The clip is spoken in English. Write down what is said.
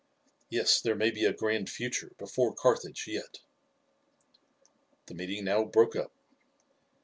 Yes, there may be a grand future before Carthage yet." The meeting now broke up.